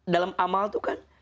dalam amal itu kan